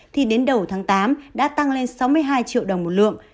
thì đến đầu tháng tám đã tăng lên sáu mươi hai triệu đồng một lượng